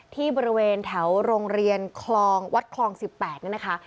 ที่บริเวณแถวโรงเรียนคลองวัดคลอง๑๘นี่นะคะ